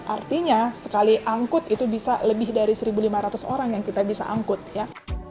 artinya sekali angkut itu bisa lebih dari satu lima ratus orang yang kita bisa angkut ya